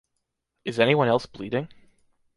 Is anyone else bleeding?